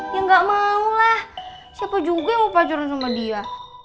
ya gak mau lah siapa juga yang upacaran sama dia